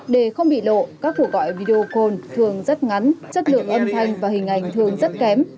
để không bị lộ các cuộc gọi video call thường rất ngắn chất lượng âm thanh và hình ảnh thường rất kém